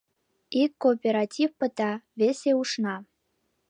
Ик кооператив пыта, весе ушна